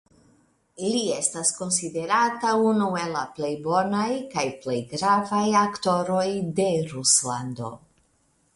Li estas konsiderata unu el la plej bonaj kaj plej gravaj aktoroj de Ruslando.